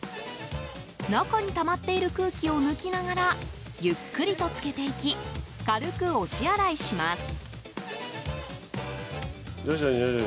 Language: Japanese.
中にたまっている空気を抜きながらゆっくりと浸けていき軽く押し洗いします。